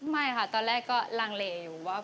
ไม่ค่ะตอนแรกก็ลังเลอยู่ว่า